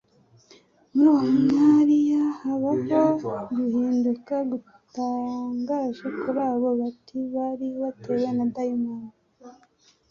Muri uwo mwariya habaho guhinduka gutangaje kuri abo bati bari batewe na dayimoni.